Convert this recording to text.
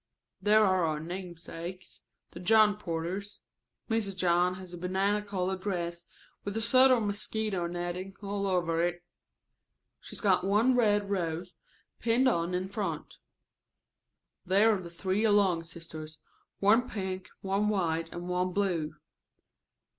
"There are our namesakes, the John Porters. Mrs. John has a banana colored dress with a sort of mosquito netting all over it. She's got one red rose pinned on in front." "There are the three Long sisters, one pink, one white, and one blue.